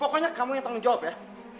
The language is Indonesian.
pokoknya kamu yang tanggung jawab ya